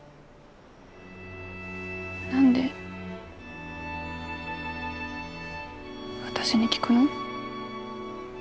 何で私に聞くの？